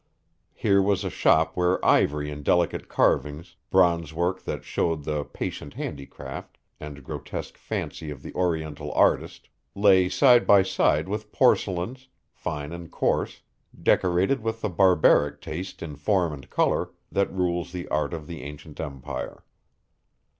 Here was a shop where ivory in delicate carvings, bronze work that showed the patient handicraft and grotesque fancy of the oriental artist, lay side by side with porcelains, fine and coarse, decorated with the barbaric taste in form and color that rules the art of the ancient empire.